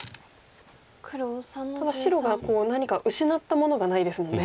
ただ白が何か失ったものがないですもんね。